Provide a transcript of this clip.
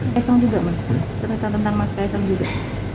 kaisang juga men cerita tentang mas kaisang juga